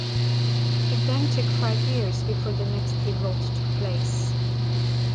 It then took five years before the next revolt took place.